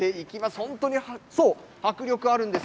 本当に迫力あるんです。